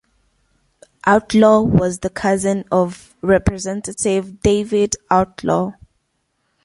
Outlaw was the cousin of Representative David Outlaw.